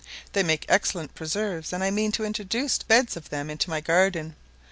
They make excellent preserves, and I mean to introduce beds of them into my garden.